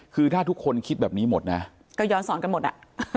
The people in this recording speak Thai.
คือถ้าทุกคนคิดแบบนี้หมดนะก็ย้อนสอนกันหมดอ่ะ